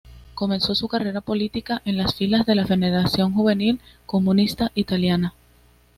Comenzó su carrera política en las filas de la Federación Juvenil Comunista Italiana.